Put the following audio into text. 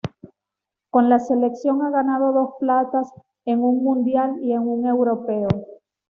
Con la selección ha ganado dos platas en un Mundial y en un Europeo.